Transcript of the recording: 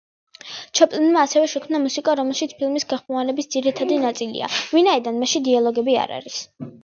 ჩაპლინმა ასევე შექმნა მუსიკა, რომელიც ფილმის გახმოვანების ძირითადი ნაწილია, ვინაიდან მასში დიალოგები არ არის.